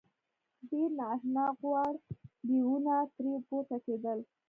ډېر نا آشنا غوړ بویونه ترې پورته کېدل.